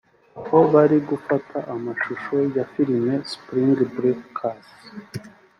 aho bari gufata amashusho ya filimi Spring Breakers